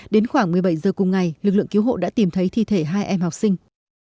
đến khoảng một mươi bảy giờ cùng ngày lực lượng cứu hộ đã tìm thấy thi thể hai em học sinh